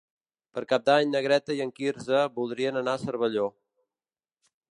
Per Cap d'Any na Greta i en Quirze voldrien anar a Cervelló.